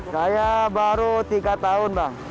saya baru tiga tahun bang